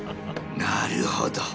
なるほど。